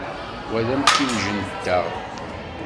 Wa d amtiweg-nteɣ.